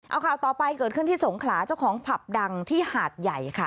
เอาข่าวต่อไปเกิดขึ้นที่สงขลาเจ้าของผับดังที่หาดใหญ่ค่ะ